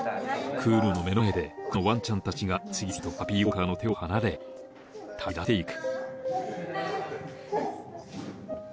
クールの目の前でほかのワンちゃんたちが次々とパピーウォーカーの手を離れ旅立っていく。